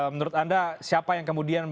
menurut anda siapa yang kemudian